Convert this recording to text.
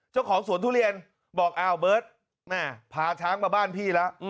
เจ้าของสวนทุเรียนบอกอ้าวเบิร์ตแม่พาช้างมาบ้านพี่แล้ว